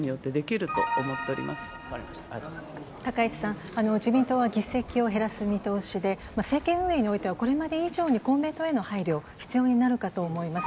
分かりました、ありがとうご高市さん、自民党は議席を減らす見通しで、政権運営においてはこれまで以上に、公明党への配慮、必要になるかと思います。